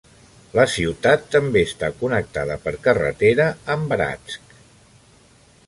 La ciutat també està connectada per carretera amb Bratsk.